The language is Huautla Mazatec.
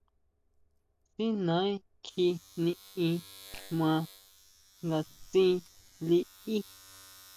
Si naʼen kjí niʼín ma nga tsín liʼí.